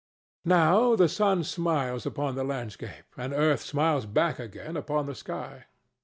Now the sun smiles upon the landscape and earth smiles back again upon the sky.